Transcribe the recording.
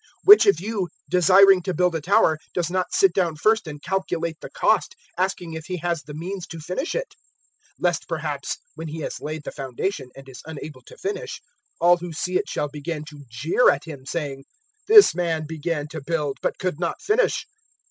014:028 "Which of you, desiring to build a tower, does not sit down first and calculate the cost, asking if he has the means to finish it? 014:029 lest perhaps, when he has laid the foundation and is unable to finish, all who see it shall begin to jeer at him, 014:030 saying, `This man began to build, but could not finish.'